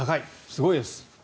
すごいです。